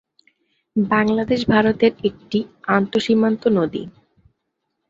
বাংলাদেশ-ভারতের একটি আন্তঃসীমান্ত নদী।